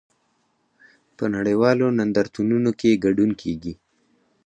په نړیوالو نندارتونونو کې ګډون کیږي